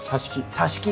さし木！